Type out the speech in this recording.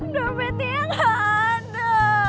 dompetnya gak ada